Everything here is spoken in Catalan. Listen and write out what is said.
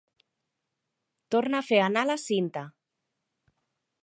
Torna a fer anar la cinta.